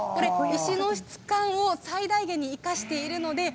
石の質感を最大限に生かしています。